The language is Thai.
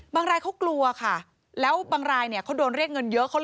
รายเขากลัวค่ะแล้วบางรายเนี่ยเขาโดนเรียกเงินเยอะ